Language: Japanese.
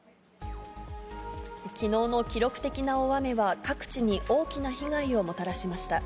きのうの記録的な大雨は各地に大きな被害をもたらしました。